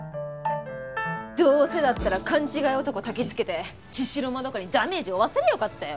どうせだったら勘違い男たきつけて茅代まどかにダメージ負わせりゃよかったよ。